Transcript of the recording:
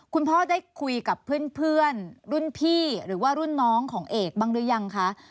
คุณพ่อได้คุยกับเพื่อนรุ่นพี่หรือว่ารุ่นน้องของเอกบ้างหรือยังคะ